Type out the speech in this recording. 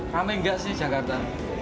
rame gak sih jakarta